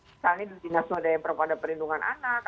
misalnya di dinas noda yang ada perlindungan anak